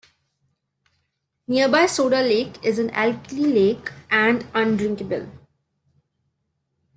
Nearby Soda Lake is an alkali lake and undrinkable.